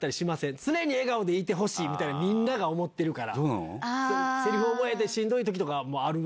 常に笑顔でいてほしいって、みんなが思ってるから。